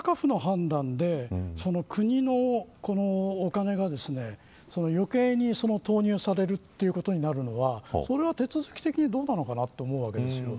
大阪府の判断で国のお金が余計に投入されるということになるのはそれは手続き的にどうなのかなと思うわけです。